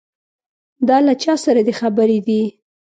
دا له چا سره دې خبرې دي.